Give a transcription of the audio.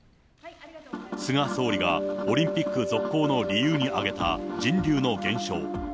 菅総理がオリンピック続行の理由に挙げた人流の減少。